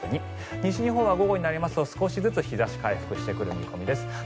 西日本は午後になりますと少しずつ日差しが回復してくる見込みです。